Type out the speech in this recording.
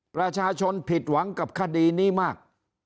ประชาชนผิดหวังกับคดีนี้มาก